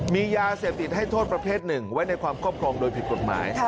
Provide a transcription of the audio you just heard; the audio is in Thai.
มียาเสพติดให้โทษประเภทหนึ่งไว้ในความครอบครองโดยผิดกฎหมาย